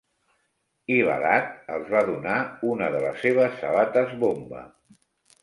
I Badat els va donar una de les seves sabates bomba.